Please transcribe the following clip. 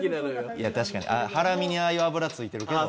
いや確かにハラミにああいう脂ついてるけど。